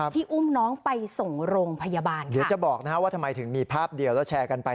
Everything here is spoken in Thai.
ที่อุ้มน้องไปส่งโรงพยาบาลเดี๋ยวจะบอกนะฮะว่าทำไมถึงมีภาพเดียวแล้วแชร์กันไป